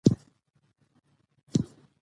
نفت د افغان تاریخ په کتابونو کې ذکر شوی دي.